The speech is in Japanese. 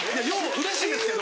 うれしいですけど。